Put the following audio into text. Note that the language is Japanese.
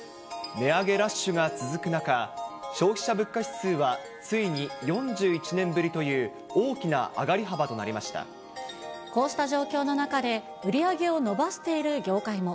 値上げラッシュが続く中、消費者物価指数はついに４１年ぶりという大きな上がり幅となりまこうした状況の中で売り上げを伸ばしている業界も。